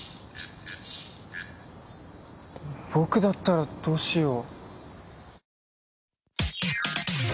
僕だったらどうしよう。